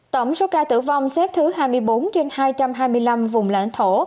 tổng số ca tử vong xếp thứ hai mươi bốn trên hai trăm hai mươi năm vùng lãnh thổ